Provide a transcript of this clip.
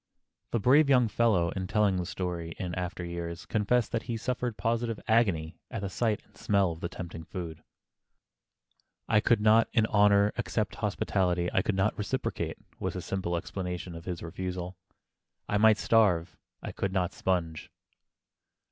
The brave young fellow, in telling the story in after years, confessed that he suffered positive agony at the sight and smell of the tempting food. [Sidenote: A RECIPROCATING SPIRIT] "I could not, in honor, accept hospitality I could not reciprocate," was his simple explanation of his refusal. "I might starve, I could not sponge!"